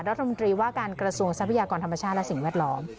รัฐมนตรีว่าการกระทรวงทรัพยากรธรรมชาติและสิ่งแวดล้อม